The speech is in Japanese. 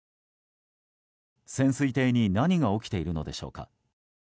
潜水艇に何が起きているのでしょうか。